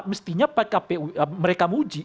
mestinya pkpu mereka menguji